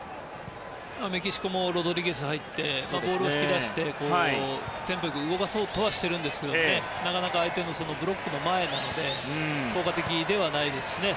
メキシコもロドリゲスが入ってボールを引き出して、テンポ良く動かそうとはしていますがなかなか相手のブロックの前なので効果的ではないですしね。